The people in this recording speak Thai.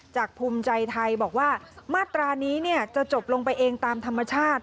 ภูมิใจไทยบอกว่ามาตรานี้จะจบลงไปเองตามธรรมชาติ